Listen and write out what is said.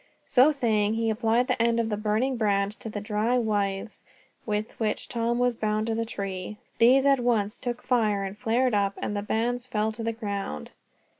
So saying, he applied the end of the burning brand to the dry withes with which Tom was bound to the tree. These at once took fire and flared up, and the bands fell to the ground.